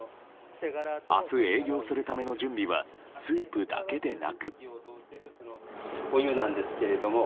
明日、営業するための準備はスープだけでなく。